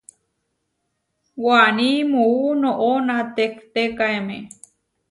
Waní muú noʼó natehtékaeme.